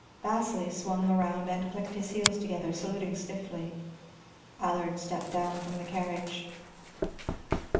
Vasili swung around and clicked his heels together, saluting stiffly. Allard stepped down from the carriage.